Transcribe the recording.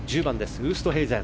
ウーストヘイゼン。